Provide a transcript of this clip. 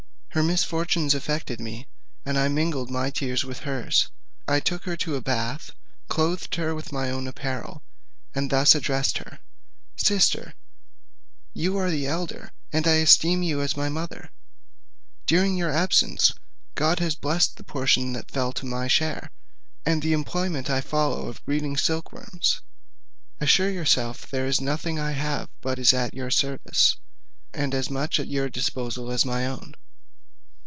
Her misfortunes affected me: and I mingled my tears with hers. I took her to a bath, clothed her with my own apparel, and thus addressed her: "Sister, you are the elder, and I esteem you as my mother: during your absence, God has blest the portion that fell to my share, and the employment I follow of breeding silk worms. Assure yourself there is nothing I have but is at your service, and as much at your disposal as my own."